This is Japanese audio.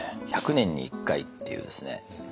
１００年に１回っていうですね